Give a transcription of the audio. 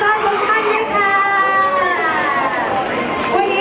ไม่ต้องถามไม่ต้องถาม